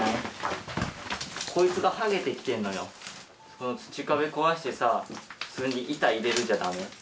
この土壁壊してさ普通に板入れるじゃダメ？